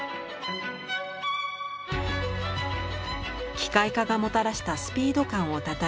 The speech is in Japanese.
機械化がもたらしたスピード感をたたえ